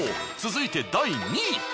続いて第２位。